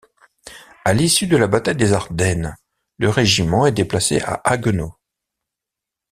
A l'issue de la bataille des Ardennes, le régiment est déplacé à Haguenau.